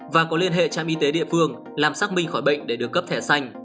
và có liên hệ trạm y tế địa phương làm xác minh khỏi bệnh để được cấp thẻ xanh